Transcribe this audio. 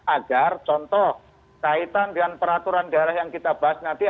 agar contoh kaitan dengan peraturan daerah yang kita bahas nanti